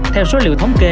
theo số liệu thống kê